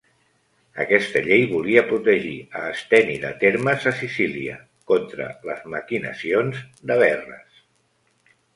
Aquesta llei volia protegir a Esteni de Termes a Sicília, contra les maquinacions de Verres.